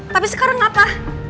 tapi sekarang apa